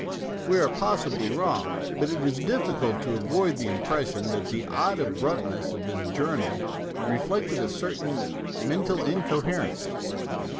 We are possibly wrong, but it is difficult to avoid the impression that the odd abruptness of his journal reflected a certain mental inco herence.